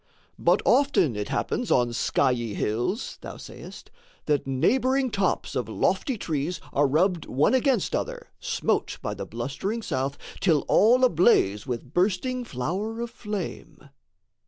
"But often it happens on skiey hills" thou sayest, "That neighbouring tops of lofty trees are rubbed One against other, smote by the blustering south, Till all ablaze with bursting flower of flame."